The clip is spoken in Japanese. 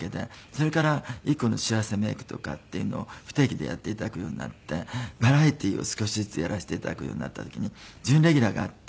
それからＩＫＫＯの幸せメイクとかっていうのを不定期でやって頂くようになってバラエティーを少しずつやらせて頂くようになった時に準レギュラーがあって。